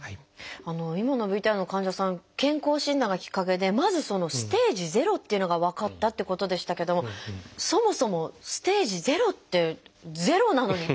今のＶＴＲの患者さん健康診断がきっかけでまずステージ０っていうのが分かったってことでしたけどもそもそも「ステージ０」って「０」なのに。